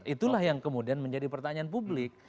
itulah yang kemudian menjadi pertanyaan publik